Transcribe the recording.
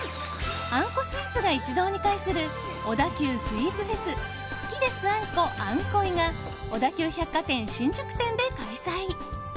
あんこスイーツが一堂に会する小田急スイーツフェス好きです、「あんこ」餡恋ａｎｋｏｉが小田急百貨店新宿店で開催。